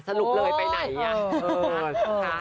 สรุปเลยไปไหนอ่ะ